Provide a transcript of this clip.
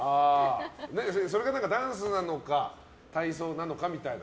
それがダンスなのか体操なのかみたいな。